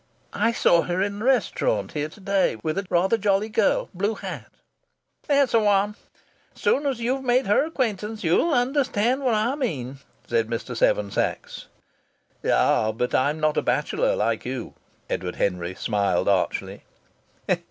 "I saw her in the restaurant here to day with a rather jolly girl blue hat." "That's the one. As soon as you've made her acquaintance you'll understand what I mean," said Mr. Seven Sachs. "Ah! But I'm not a bachelor like you," Edward Henry smiled archly.